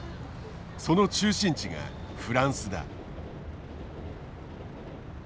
その中心地がフランスだ。